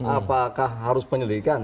apakah harus penyelidikan